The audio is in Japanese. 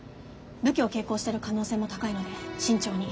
武器を携行してる可能性も高いので慎重に。